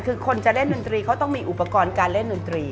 คือคนจะเล่นดนตรีเขาต้องมีอุปกรณ์การเล่นดนตรี